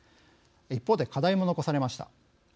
一方で、課題も残されました。